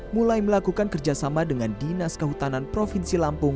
mulai melakukan kerjasama dengan dinas kehutanan provinsi lampung